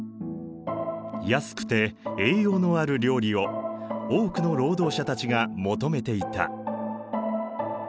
安くて栄養のある料理を多くの労働者たちが求めていた。